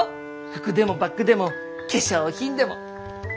服でもバッグでも化粧品でも。